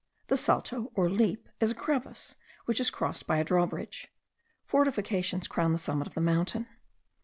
The Salto (or Leap) is a crevice, which is crossed by a draw bridge. Fortifications crown the summit of the mountain.